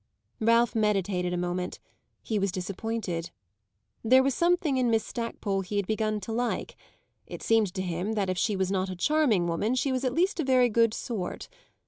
Ralph meditated a moment; he was disappointed. There was something in Miss Stackpole he had begun to like; it seemed to him that if she was not a charming woman she was at least a very good "sort."